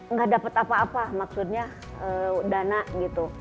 nggak dapat apa apa maksudnya dana gitu